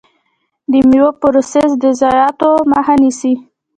د میوو پروسس د ضایعاتو مخه نیسي.